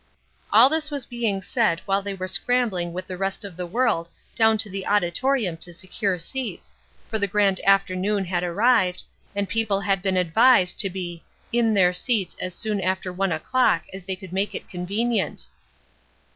All this was being said while they were scrambling with the rest of the world down to the auditorium to secure seats, for the grand afternoon had arrived, and people had been advised to be "in their seats as soon after one o'clock as they could make it convenient."